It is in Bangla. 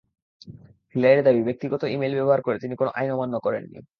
হিলারির দাবি, ব্যক্তিগত ই-মেইল ব্যবহার করে তিনি কোনো আইন অমান্য করেননি।